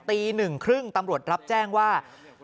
ตีหนึ่งครึ่งตำรวจรับแจ้งว่า